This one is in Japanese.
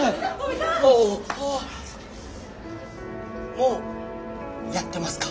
もうやってますか？